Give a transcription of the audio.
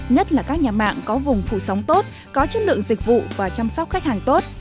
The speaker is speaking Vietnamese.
nhất là các nhà mạng có vùng phủ sóng tốt có chất lượng dịch vụ và chăm sóc khách hàng tốt